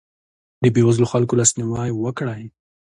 د بېوزلو خلکو لاسنیوی وکړئ.